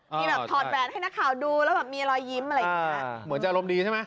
มีทอดแฟนให้นักข่าวดูแล้วมีรอยยิ้ม